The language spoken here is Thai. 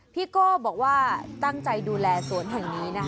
โก้บอกว่าตั้งใจดูแลสวนแห่งนี้นะคะ